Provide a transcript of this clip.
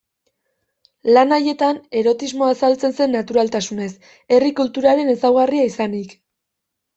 Lan haietan erotismoa azaltzen zen naturaltasunez, herri-kulturaren ezaugarria izanik.